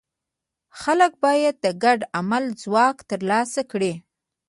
خلک باید د ګډ عمل ځواک ترلاسه کړي.